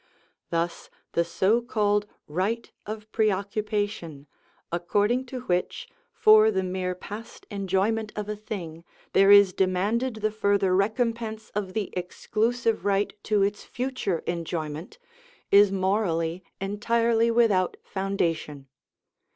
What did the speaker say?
Thus the so called right of preoccupation, according to which, for the mere past enjoyment of a thing, there is demanded the further recompense of the exclusive right to its future enjoyment, is morally entirely without foundation.